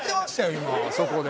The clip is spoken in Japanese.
今そこで。